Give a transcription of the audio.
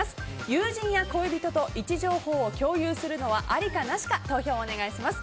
友人や恋人と位置情報を共有するのは、ありかなしか投票お願いします。